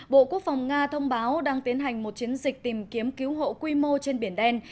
bộ quốc phòng nga thông báo đang tiến hành một chiến dịch tìm kiếm cứu hộ quy mô trên biển đen